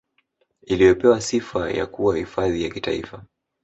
Iliyopewa sifa ya kuwa hifadhi ya Kitaifa